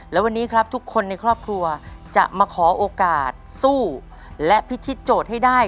และวันนี้ครับทุกคนในครอบครัวจะมาขอโอกาสสู้และพิธีโจทย์ให้ได้